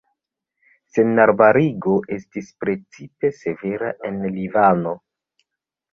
Senarbarigo estis precipe severa en Libano.